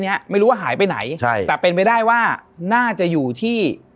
เนี้ยไม่รู้ว่าหายไปไหนใช่แต่เป็นไปได้ว่าน่าจะอยู่ที่